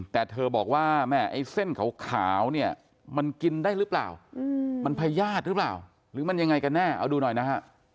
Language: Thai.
แต่เธอบอกว่าแม่ไอ้เส้นขาวเนี่ยมันกินได้หรือเปล่ามันพญาติหรือเปล่าหรือมันยังไงกันแน่เอาดูหน่อยนะฮะ